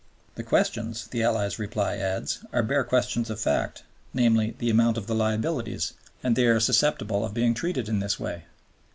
"The questions," the Allies' reply adds, "are bare questions of fact, namely, the amount of the liabilities, and they are susceptible of being treated in this way."